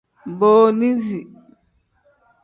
Booniisi.